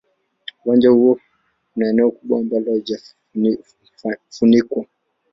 Uwanja huo una eneo kubwa ambalo halijafunikwa.